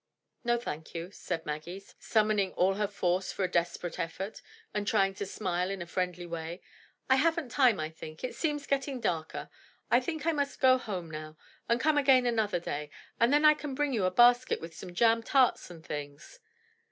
"No, thank you," said Maggie, summoning all her force for a desperate effort, and trying to smile in a friendly way. " I haven't time I think; it seems getting darker. I think I must go home now, and come again another day, and then I can bring you a basket with some jam tarts and things."